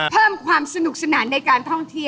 เพิ่มความสนุกสนานในการท่องเที่ยว